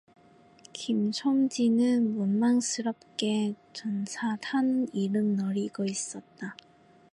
김 첨지는 원망스럽게 전차 타는 이름 노리고 있었다.